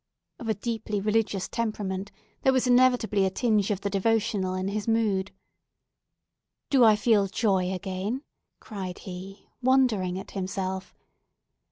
Of a deeply religious temperament, there was inevitably a tinge of the devotional in his mood. "Do I feel joy again?" cried he, wondering at himself.